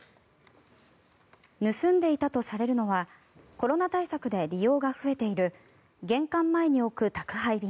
盗んでいたとされるのはコロナ対策で利用が増えている玄関前に置く宅配便